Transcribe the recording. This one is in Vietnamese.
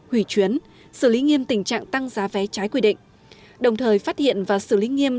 hủy chuyến xử lý nghiêm tình trạng tăng giá vé trái quy định đồng thời phát hiện và xử lý nghiêm